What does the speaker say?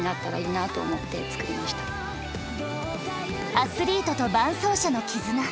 アスリートと伴走者のキズナ。